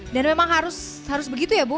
dan memang harus begitu ya bu